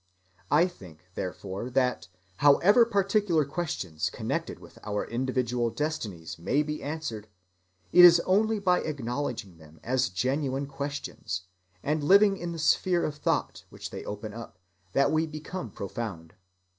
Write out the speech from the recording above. I think, therefore, that however particular questions connected with our individual destinies may be answered, it is only by acknowledging them as genuine questions, and living in the sphere of thought which they open up, that we become profound.